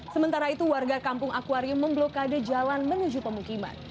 sementara itu warga kampung akwarium memblokade jalan menuju pemukiman